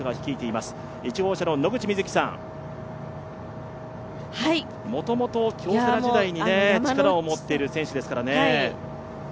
野口さん、もともと京セラ時代に力を持っている選手ですからね。